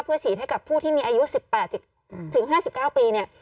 เพื่อฉีดให้กับผู้ที่มีอายุ๑๘๕๙ปี